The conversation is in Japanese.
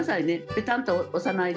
ペタンと押さないで。